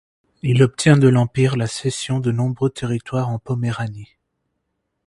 Il obtient de l'Empire la cession de nombreux territoires en Poméranie.